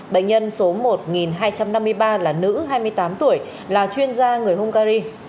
bệnh nhân số một hai trăm năm mươi ba là nữ hai mươi tám tuổi là chuyên gia người hungary